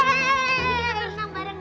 kita berenang bareng ya